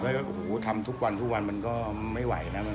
ก็โอ้โหทำทุกวันทุกวันมันก็ไม่ไหวนะ